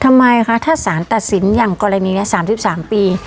ทำไมคะถ้าสารตัดสินอย่างกรณีนี้๓๓ปี